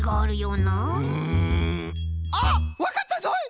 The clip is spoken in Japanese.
うんあっわかったぞい！